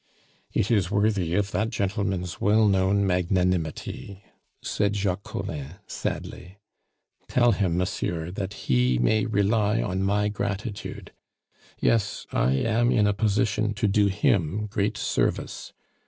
"It is worthy of that gentleman's well known magnanimity," said Jacques Collin sadly. "Tell him, monsieur, that he may rely on my gratitude. Yes, I am in a position to do him great service.